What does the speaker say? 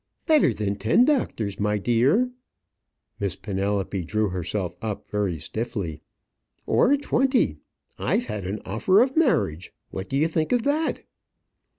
"Better than ten doctors, my dear" Miss Penelope drew herself up very stiffly "or twenty! I've had an offer of marriage. What do you think of that?"